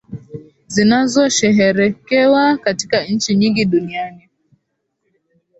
zinazosheherekewa katika nchi nyingi duniani